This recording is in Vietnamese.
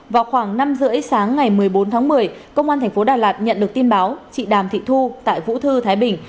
vào khoảng năm h ba mươi sáng ngày một mươi bốn tháng một mươi công an thành phố đà lạt nhận được tin báo chị đàm thị thu tại vũ thư thái bình